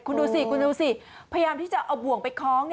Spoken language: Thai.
คุณดูสิพยายามที่จะเอาบ่วงไปค้อง